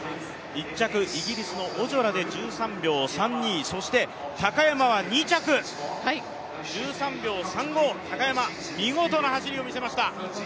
１着、イギリスのオジョラで１３秒３２、そして高山は２着、１３秒３５高山、見事な走りを見せました。